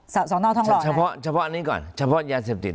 สอนสอนอทองหล่อเฉพาะเฉพาะอันนี้ก่อนเฉพาะยาเสพติด